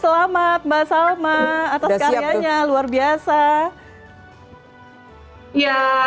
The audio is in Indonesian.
dengan judul karya jurnalistik tanah kami indonesia selamanya